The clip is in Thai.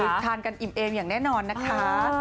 ทานกันอิ่มเอมอย่างแน่นอนนะคะ